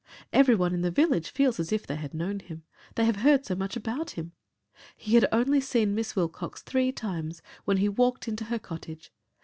Every one in the village feels as if they had known him. They have heard so much about him. He had only seen Miss Wilcox three times when he walked into her cottage.